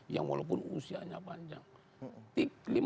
yang walaupun usianya panjang